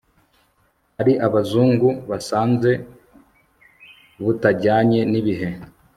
ari abazungu, basanze butajyanye n'ibihe